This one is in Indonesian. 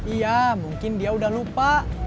iya mungkin dia udah lupa